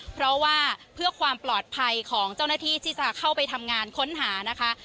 เพราะว่าเพื่อความปลอดภัยของเจ้าหน้าที่ที่จะเข้าไปทำงานค้นหานะคะ